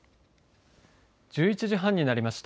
１１時半になりました。